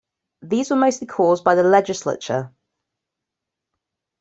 These were mostly caused by the Legislature.